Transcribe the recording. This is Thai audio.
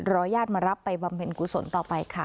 ญาติมารับไปบำเพ็ญกุศลต่อไปค่ะ